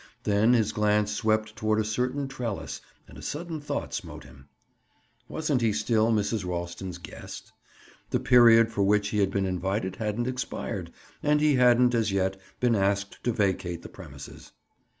Then his glance swept toward a certain trellis, and a sudden thought smote him. Wasn't he still Mrs. Ralston's guest? The period for which he had been invited hadn't expired and he hadn't, as yet, been asked to vacate the premises.